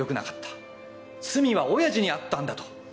罪は親父にあったんだと！